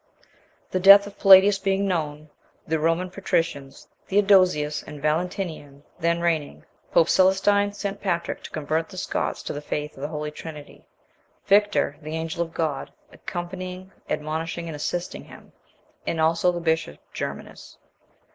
The death of Palladius being known, the Roman patricians, Theodosius and Valentinian, then reigning, pope Celestine sent Patrick to convert the Scots to the faith of the Holy Trinity; Victor, the angel of God, accompanying, admonishing, and assisting him, and also the bishop Germanus.